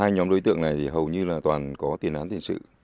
hai nhóm đối tượng này thì hầu như là toàn có tiền án tiền sự